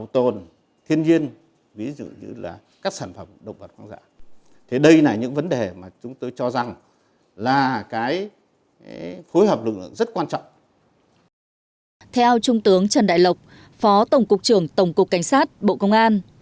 theo trung tướng trần đại lộc phó tổng cục trưởng tổng cục cảnh sát bộ công an